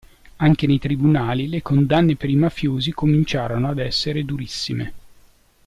Anche nei tribunali le condanne per i mafiosi cominciarono a essere durissime.